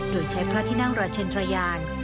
โดยใช้พระที่นั่งราชเชนทรยาน